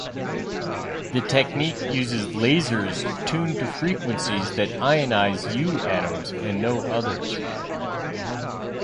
The technique uses lasers tuned to frequencies that ionize U atoms and no others.